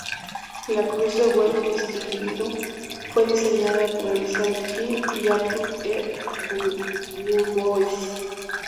La "Cruz de Vuelo Distinguido" fue diseñada por Elizabeth Hill y Arthur E. DuBois.